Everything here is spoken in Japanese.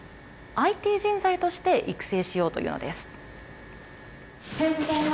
ＩＴ人材として育成しようというのです。